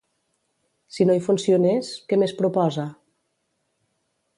Si no hi funcionés, què més proposa?